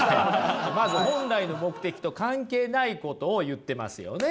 まず本来の目的と関係ないことを言ってますよね？